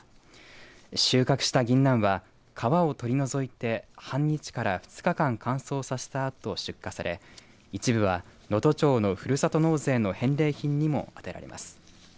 収穫したぎんなんは皮を取り除いて半日から２日間乾燥させたあと出荷され一部は能登町のふるさと納税の返礼品にも当てられます。